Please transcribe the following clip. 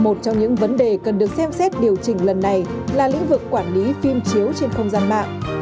một trong những vấn đề cần được xem xét điều chỉnh lần này là lĩnh vực quản lý phim chiếu trên không gian mạng